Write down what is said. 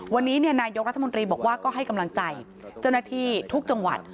วันนี้นายกรัฐมนตรีบอกว่าก็ให้กำลังใจเจ้าหน้าที่ทุกจังหวัด